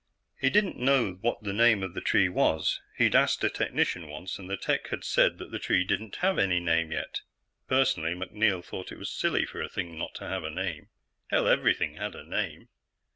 He didn't know what the name of the tree was. He'd asked a technician once, and the tech had said that the tree didn't have any name yet. Personally, MacNeil thought it was silly for a thing not to have a name. Hell, everything had a name.